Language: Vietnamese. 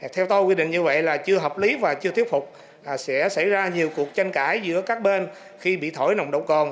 theo tôi quy định như vậy là chưa hợp lý và chưa thuyết phục sẽ xảy ra nhiều cuộc tranh cãi giữa các bên khi bị thổi nồng độ cồn